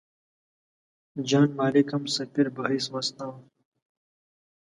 جان مالکم سفیر په حیث واستاوه.